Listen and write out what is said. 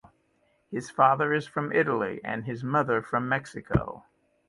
His father is from Italy and his mother from Mexico.